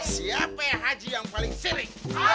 siapa yang haji yang paling sirik